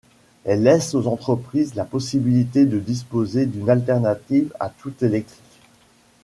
Elle laisse aux entreprises la possibilité de disposer d'une alternative au tout-électrique.